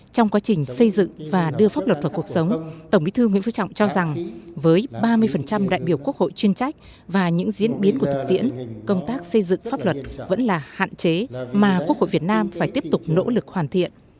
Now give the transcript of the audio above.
trong quá trình xây dựng và đưa pháp luật vào cuộc sống tổng bí thư nguyễn phú trọng cho rằng với ba mươi đại biểu quốc hội chuyên trách và những diễn biến của thực tiễn công tác xây dựng pháp luật vẫn là hạn chế mà quốc hội việt nam phải tiếp tục nỗ lực hoàn thiện